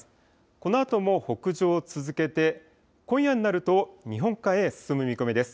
このあとも北上を続けて今夜になると日本海へ進む見込みです。